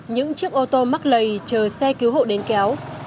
những chiếc ô tô mắc lầy chờ xe cứu hộ đến kéo